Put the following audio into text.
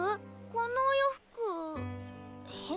このお洋服変？